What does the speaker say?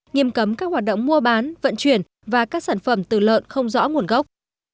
nghiêm cấm các hoạt động mua bán vận chuyển và các sản phẩm từ lợn không rõ nguồn gốc